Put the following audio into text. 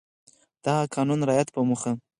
د هغه قانون رعایت په موخه